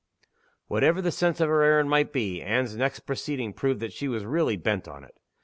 Whatever the sense of her errand might be, Anne's next proceeding proved that she was really bent on it.